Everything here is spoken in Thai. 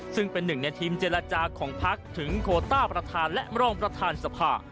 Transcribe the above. ซึ่งเป็นหนึ่งในทีมเจรจาของพักถึงโคต้าประธานและรองประธานสภา